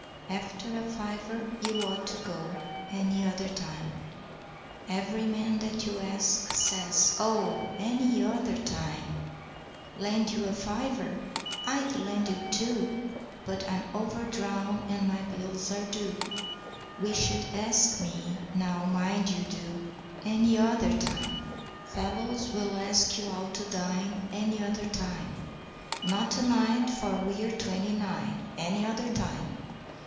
After a fiver you ought to go Any other time. Every man that you ask says 'Oh, Any OTHER time. Lend you a fiver! I'd lend you two, But I'm overdrawn and my bills are due, Wish you'd ask me now, mind you do Any other time!' Fellows will ask you out to dine Any other time. 'Not to night, for we're twenty nine Any other time.